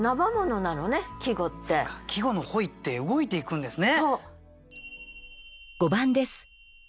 季語の本意って動いていくんですね。